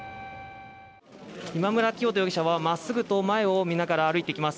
今村磨人容疑者はまっすぐと前を見ながら歩いてきます。